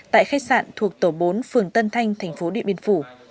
tại khách sạn thuộc tổ bốn phường tân thanh tp điện biên phủ